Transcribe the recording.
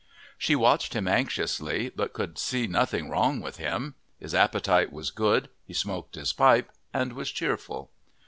She watched him anxiously but could see nothing wrong with him; his appetite was good, he smoked his pipe, and was cheerful.